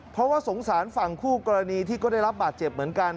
เพราะว่าสงสารฝั่งคู่กรณีที่ก็ได้รับบาดเจ็บเหมือนกัน